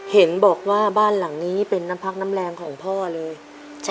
เห็นบอกว่าบ้านหลังนี้เป็นน้ำพักน้ำแรงของพ่อเลย